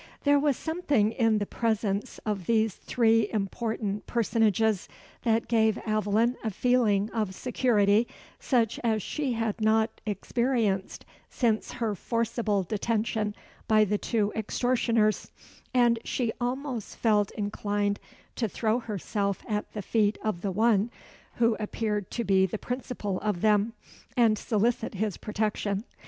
There was something in the presence of these three important personages that gave Aveline a feeling of security, such as she had not experienced since her forcible detention by the two extortioners, and she almost felt inclined to throw herself at the feet of the one who appeared to be the principal of them, and solicit his protection.